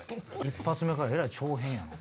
一発目からえらい長編やな。